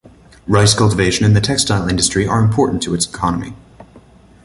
Rice cultivation and the textile industry are important to its economy.